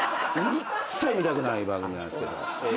一切見たくない番組なんですけど。